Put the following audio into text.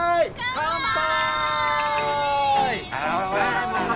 乾杯！